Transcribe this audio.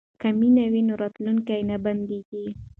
که مینه وي نو راتلونکی نه بندیږي.